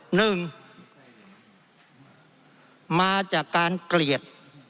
หนึ่งมาจากการเกลียด